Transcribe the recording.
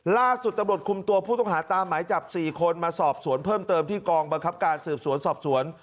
ล่าสุดตำรวจคุมตัวผู้ต้องหาตามหมายจับ๔คนมาสอบสวนเพิ่มเติมที่กองบังคับการสืบสวนสอบสวน